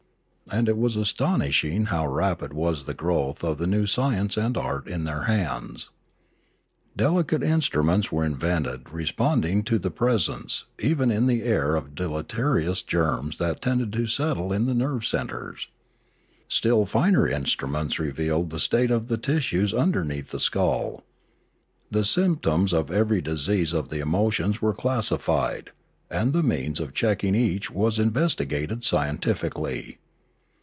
And it was astonishing how rapid was the growth of the new science and art in their hands. Delicate instruments were invented responding to the presence even in the air of deleterious germs that tended to settle in the nerve centres. Still finer instruments revealed the state of the tissues underneath the skull. The symp toms of every disease of the emotions were classified, and the means of checking each was investigated scien tifically.